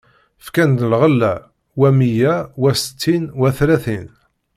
Fkan-d lɣella: wa meyya, wa settin, wa tlatin.